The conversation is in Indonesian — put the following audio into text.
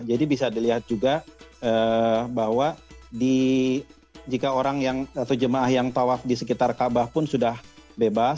jadi bisa dilihat juga bahwa jika jamaah yang tawaf di sekitar kaabah pun sudah bebas